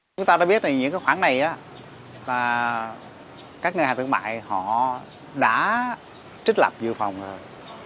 chúng ta đã biết những khoản này là các ngân hàng tưởng mại họ đã trích lập dự phòng rồi